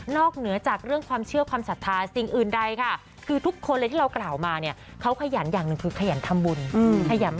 เหนือจากเรื่องความเชื่อความศรัทธาสิ่งอื่นใดค่ะคือทุกคนเลยที่เรากล่าวมาเนี่ยเขาขยันอย่างหนึ่งคือขยันทำบุญ